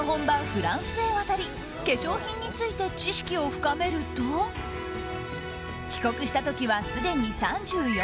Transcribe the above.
フランスへ渡り化粧品について知識を深めると帰国した時はすでに３４歳。